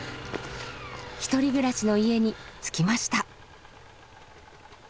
一人暮らしの家に着きました。